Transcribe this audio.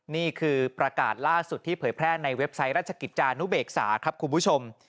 นี่คือประกาศล่าสุดที่เผยแพร่ในเว็บไซต์ราชกิจจานุเบกษาครับคุณผู้ชม